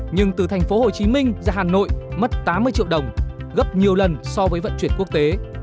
nhưng từ thành phố hồ chí minh ra hà nội mất tám mươi triệu đồng gấp nhiều lần so với vận chuyển quốc tế